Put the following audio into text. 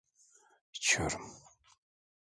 İçiyorum.